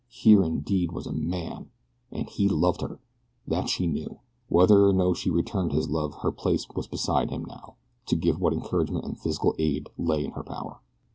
Here indeed was a man! And he loved her that she knew. Whether or no she returned his love her place was beside him now, to give what encouragement and physical aid lay in her power.